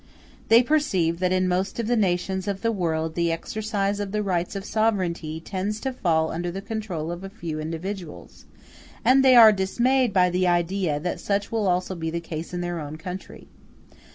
They perceive that in most of the nations of the world the exercise of the rights of sovereignty tends to fall under the control of a few individuals, and they are dismayed by the idea that such will also be the case in their own country.